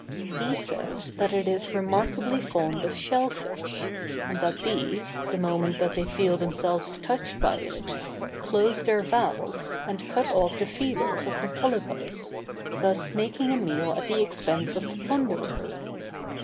He says that it is remarkably fond of shell fish, and that these, the moment that they feel themselves touched by it, close their valves, and cut off the feelers of the polypus, thus making a meal at the expense of the plunderer.